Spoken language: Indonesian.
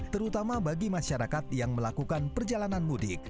terutama bagi masyarakat yang melakukan perjalanan mudik